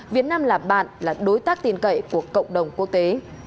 việt nam là bạn là đối tác tin cậy của cộng đồng quốc tế